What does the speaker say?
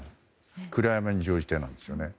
暗闇に乗じてなんですね。